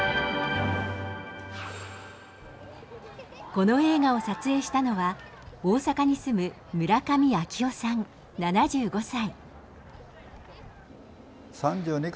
この映画を撮影したのは大阪に住む村上昭雄さん７５歳。